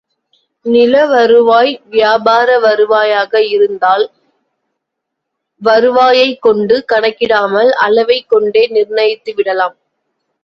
நிலவருவாய், வியாபார வருவாயாக இருந்தால் வருவாயைக் கொண்டு கணக்கிடாமல் அளவைக் கொண்டே நிர்ணயித்து விடலாம்.